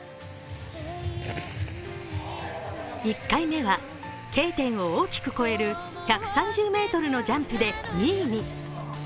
１回目は、Ｋ点を大きく越える１３０ｍのジャンプで２位に。